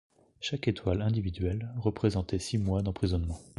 Chaque étoile individuelle représentait six mois d'emprisonnement.